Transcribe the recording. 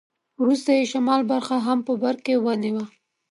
وروسته یې شمال برخه هم په برکې ونیوه.